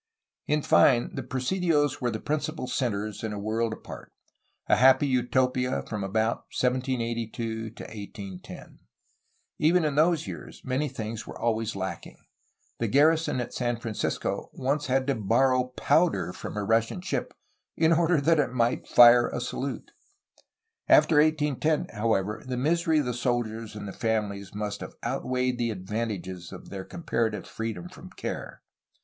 In fine, the presidios were the principal centres in a world apart, — a happy Utopia from about 1782 to 1810. Even in those years many things were always lacking; the garrison at San Francisco once had to borrow powder from a Russian ship in order that it might fire a salute. After 1810, however, the misery of the soldiers and their families must have out weighed the advantages of their comparative freedom from care.